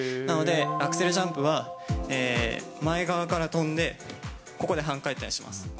なので、アクセルジャンプは、前側から跳んでここで半回転します。